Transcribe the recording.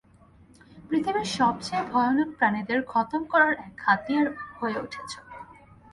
পৃথিবীর সবচেয়ে ভয়ানক প্রাণীদের খতম করার এক হাতিয়ার হয়ে উঠেছো।